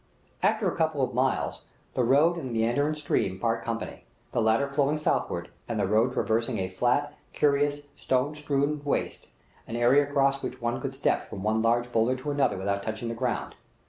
After a couple of miles the road and the meandering stream part company, the latter flowing southward and the road traversing a flat, curious, stone strewn waste; an area across which one could step from one large boulder to another without touching the ground.